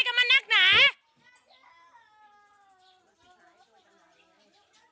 มันอยู่มันได้อยู่ฟรีเลย